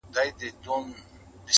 تر ننګرهار- تر کندهار ښکلی دی-